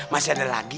masih ada lagi